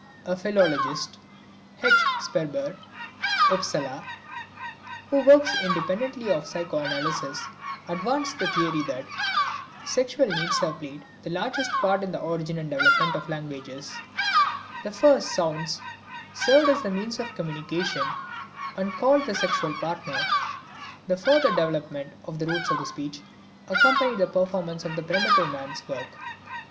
A philologist, H. Sperber (Upsala) who works independently of psychoanalysis, advanced the theory that sexual needs have played the largest part in the origin and development of languages. The first sounds served as means of communication, and called the sexual partner; the further development of the roots of speech accompanied the performance of the primitive man's work.